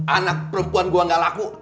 anak perempuan gue gak laku